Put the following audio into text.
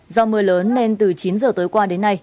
do mưa lớn nên từ chín giờ tối qua đến nay